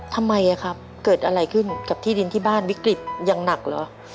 ทำไมครับเกิดอะไรขึ้นกับที่ดินที่บ้านวิกฤตอย่างหนักเหรอ